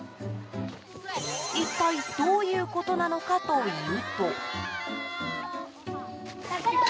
一体どういうことなのかというと。